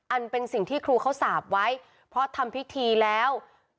เป็นสิ่งที่ครูเขาสาปไว้เพราะทำพิธีแล้ว